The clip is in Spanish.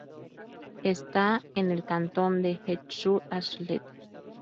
Está en el Cantón de Esch-sur-Alzette.